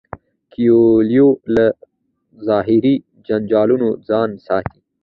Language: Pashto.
کویلیو له ظاهري جنجالونو ځان ساتي.